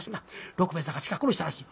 六兵衛さんが鹿殺したらしい」。